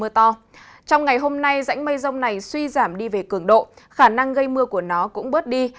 trong ngày hôm nay dãnh mây rông này suy giảm đi về cường độ khả năng gây mưa của nó cũng bớt đi